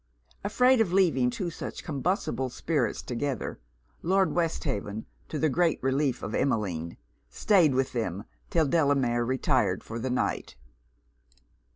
Afraid of leaving two such combustible spirits together, Lord Westhaven, to the great relief of Emmeline, staid with them till Delamere retired for the night.